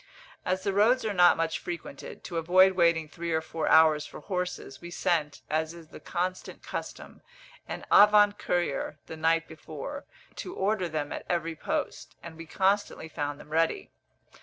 As the roads are not much frequented, to avoid waiting three or four hours for horses, we sent, as is the constant custom, an avant courier the night before, to order them at every post, and we constantly found them ready.